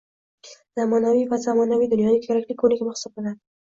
zamonaviy va zamonaviy dunyoda kerakli ko’nikma hisoblanadi